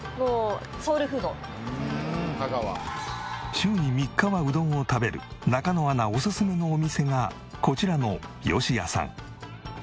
週に３日はうどんを食べる中野アナおすすめのお店がこちらのよしやさん。